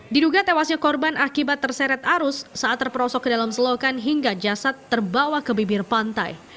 diduga tewasnya korban akibat terseret arus saat terperosok ke dalam selokan hingga jasad terbawa ke bibir pantai